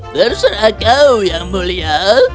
berserah kau yang mulia